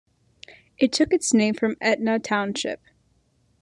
It took its name from Etna Township.